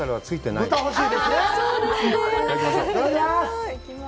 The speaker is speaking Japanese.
いただきます。